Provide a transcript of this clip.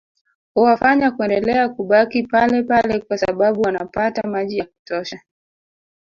Huwafanya kuendelea kubaki palepale kwa sababu wanapata maji ya kutosha